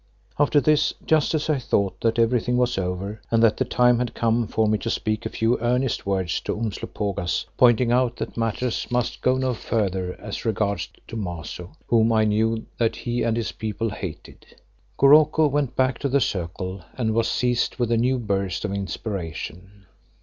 After this, just as I thought that everything was over and that the time had come for me to speak a few earnest words to Umslopogaas, pointing out that matters must go no further as regards Thomaso, whom I knew that he and his people hated, Goroko went back to the circle and was seized with a new burst of inspiration.